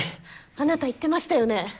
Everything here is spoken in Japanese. あなた言ってましたよね？